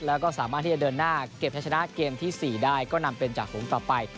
แล้วก็สามารถที่จะเดินหน้าเก็บใช้ชนะเกมที่๔ได้ก็นำเป็นจากฝูงต่อไป